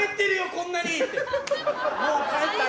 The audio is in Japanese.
こんなに。